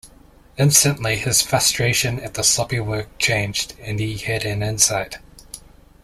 Instantly, his frustration at the sloppy work changed and he had an insight.